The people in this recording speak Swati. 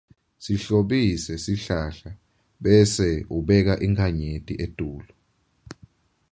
Sihlobise sihlahla bese sibeka inkhanyeti etulu.